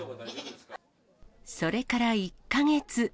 それから１か月。